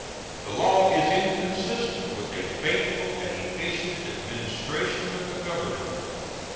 The law is inconsistent with a faithful and efficient administration of the Government.